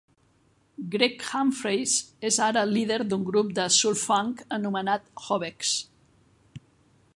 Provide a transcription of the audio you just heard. Greg Humphreys és ara líder d'un grup de soul-funk anomenat Hobex.